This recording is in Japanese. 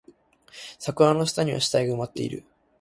桜の下には死体が埋まっている